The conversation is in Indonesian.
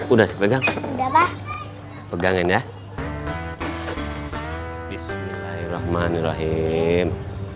udah pegang pegangin ya bismillahirrahmanirrahim